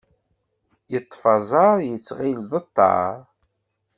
Yeṭṭef aẓar yetɣil d aṭar